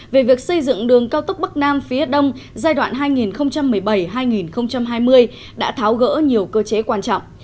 về việc xây dựng đường cao tốc bắc nam phía đông giai đoạn hai nghìn một mươi bảy hai nghìn hai mươi đã tháo gỡ nhiều cơ chế quan trọng